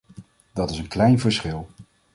Dat is een klein verschil.